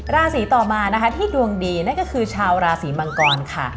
ราศีต่อมานะคะที่ดวงดีนั่นก็คือชาวราศีมังกรค่ะ